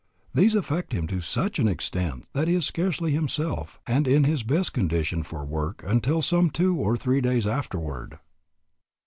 These affect him to such an extent that he is scarcely himself and in his best condition for work until some two or three days afterward.